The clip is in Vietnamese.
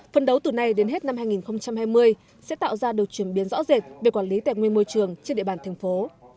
phân đấu từ nay đến hết năm hai nghìn hai mươi sẽ tạo ra được chuyển biến rõ rệt về quản lý tài nguyên môi trường trên địa bàn thành phố